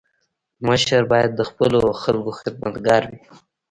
مشر باید د خپلو خلکو خدمتګار وي.